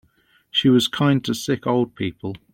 She was kind to sick old people.